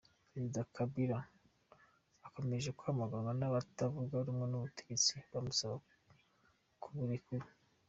Perezida Kabila akomeje kwamaganwa n’abatavuga rumwe n’ubutegetsi bamusaba kuburekura.